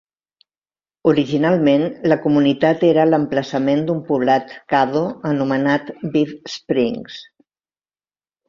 Originalment, la comunitat era l'emplaçament d'un poblat Caddo anomenat Biff Springs.